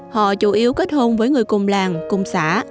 họ chủ yếu kết hôn với người cùng làng cùng xã